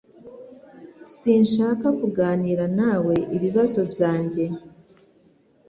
Sinshaka kuganira nawe ibibazo byanjye